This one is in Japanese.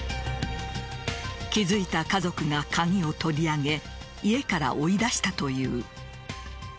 気付いた家族が鍵を取り上げ家から追い出したという。